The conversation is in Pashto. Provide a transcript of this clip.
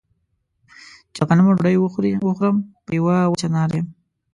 چې د غنمو ډوډۍ وخورم په يوه وچه ناره يم.